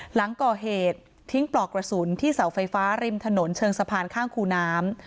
หลังก่อเหตุทิ้งปลอกกระสุนที่เสาไฟฟ้าริมถนนเชิงสะพานข้างคูน้ำ